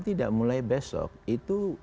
tidak mulai besok itu